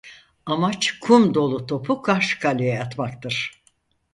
Amaç kum dolu topu karşı kaleye atmaktır.